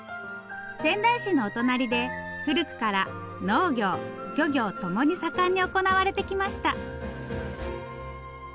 仙台市のお隣で古くから農業漁業ともに盛んに行われてきました。